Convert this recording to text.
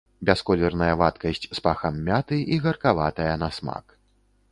Бясколерная вадкасць з пахам мяты і гаркаватая на смак.